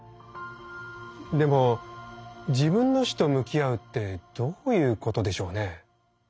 でも自分の死と向き合うってどういうことでしょうね？